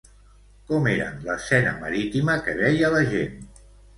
Com eren l'escena marítima que veia la gent?